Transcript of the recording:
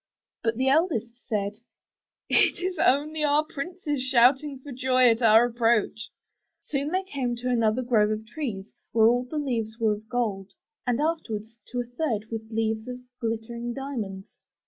'* But the eldest said, *Tt is only our princes shouting for joy at our approach.'' Soon they came to another grove of trees where all the leaves were of gold, and afterward, to a third with leaves of glittering diamonds.